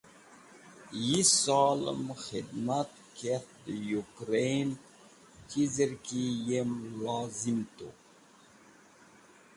Yi solem dem khidmat kerti dẽ Yukreyn (Ukraine), chizer ki yem lozim tu.